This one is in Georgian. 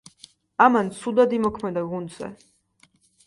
ამან ცუდად იმოქმედა გუნდზე.